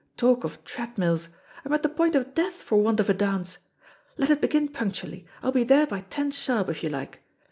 Talk of treadmills! I'm at the point of death for want of a dance. Let it begin punctually. I'll be there by ten sharp if you like.